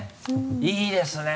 いいですね！